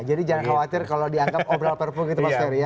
jadi jangan khawatir kalau dianggap obrol perpu gitu pak ferry ya